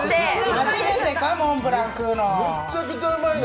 初めてか、モンブラン食うの。